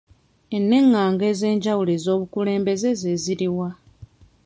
Ennenganga ez'enjawulo ez'obukulembeze ze ziriwa?